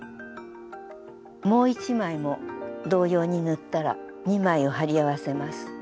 もう１枚も同様に塗ったら２枚を貼り合わせます。